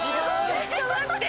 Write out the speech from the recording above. ちょっと待って！